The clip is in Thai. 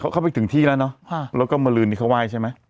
เข้าไปถึงที่แล้วเนอะแล้วก็มาลืนที่เขาไหว้ใช่ไหม